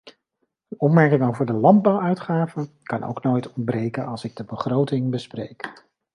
Een opmerking over de landbouwuitgaven kan ook nooit ontbreken als ik de begroting bespreek.